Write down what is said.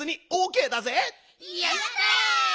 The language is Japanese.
やった！